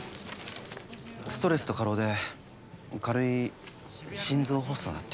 ストレスと過労で軽い心臓発作だって。